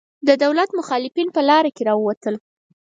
د دولت مخالفین په لاره کې راوتل.